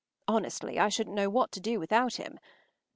Honestly, I shouldn’t know what to do without him.